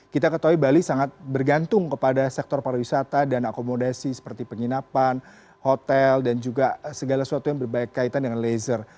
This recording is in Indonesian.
kita ketahui bali sangat bergantung kepada sektor pariwisata dan akomodasi seperti penginapan hotel dan juga segala sesuatu yang berbaik kaitan dengan laser